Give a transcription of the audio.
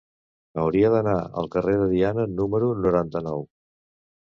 Hauria d'anar al carrer de Diana número noranta-nou.